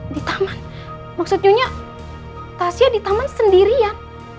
di taman maksudnya tasya di taman sendirian